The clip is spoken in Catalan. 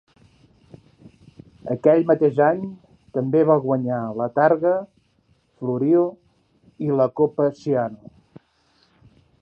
Aquell mateix any també va guanyar la Targa Florio i la Coppa Ciano.